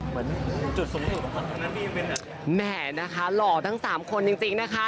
เหมือนจุดสูงสุดครับทางนั้นที่ยังเป็นแหม่นะคะหล่อทั้ง๓คนจริงนะคะ